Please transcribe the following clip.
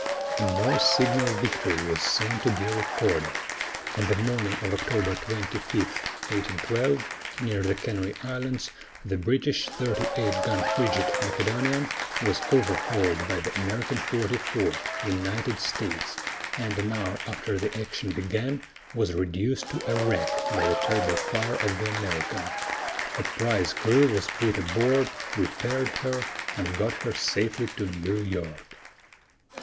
A more signal victory was soon to be recorded. On the morning of October 25, 1812, near the Canary Islands, the British 38 gun frigate, Macedonian, was overhauled by the American 44, United States, and an hour after the action began, was reduced to a wreck by the terrible fire of the American. A prize crew was put aboard, repaired her, and got her safely to New York.